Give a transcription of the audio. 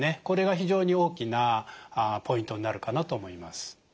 これが非常に大きなポイントになるかなと思います。